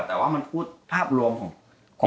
แต่ว่ามันพูดภาพรวมของ